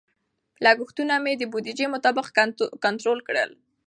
لګښتونه مې د بودیجې مطابق کنټرول کړل.